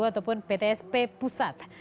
ataupun ptsp pusat